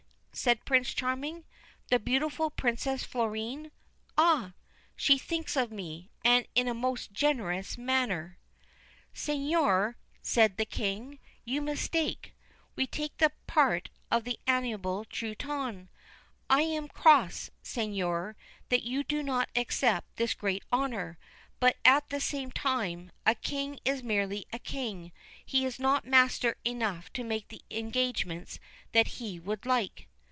said Prince Charming, 'the beautiful Princess Florine? Ah I she thinks of me, and in a most generous manner.' 84 THE BLUE BIRD ' Seigneur/ said the King, ' you mistake ; we take the part of the amiable Truitonne. I am cross, seigneur, that you do not accept this great honour ; but, at the same time, a King is merely a King : he is not master enough to make the engagements that he would like.'